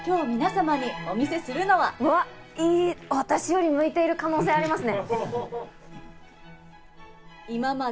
私より向いてる可能性がありますね。